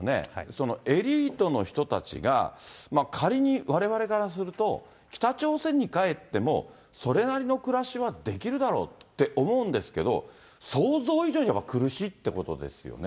そのエリートの人たちが、仮にわれわれからすると、北朝鮮に帰っても、それなりの暮らしはできるだろうって思うんですけれども、想像以上にやっぱり苦しいということですよね。